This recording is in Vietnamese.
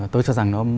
tôi cho rằng